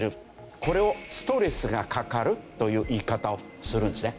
これを「ストレスがかかる」という言い方をするんですね。